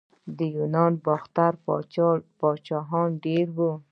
د یونانو باختري پاچاهان ډیر وو